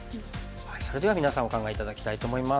それでは皆さんお考え頂きたいと思います。